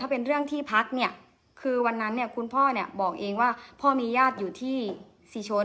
เป็นเรื่องที่พักเนี่ยคือวันนั้นเนี่ยคุณพ่อเนี่ยบอกเองว่าพ่อมีญาติอยู่ที่ศรีชน